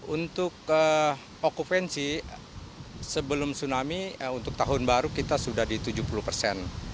untuk okupansi sebelum tsunami untuk tahun baru kita sudah di tujuh puluh persen